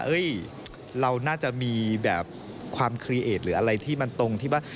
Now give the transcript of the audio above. เราน่าจะมีแบบความคลีเอทหรืออะไรที่มันตรงที่ว่า